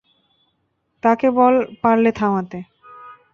তাকে বল পারলে থামাতে।